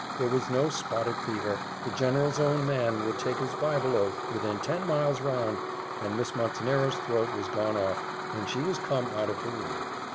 There was no spotted fever, the general's own man would take his Bible oath, within ten miles round and Miss Montenero's throat was gone off and she was come out of her room.